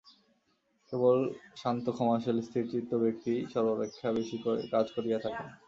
কেবল শান্ত ক্ষমাশীল স্থিরচিত্ত ব্যক্তিই সর্বাপেক্ষা বেশী কাজ করিয়া থাকেন।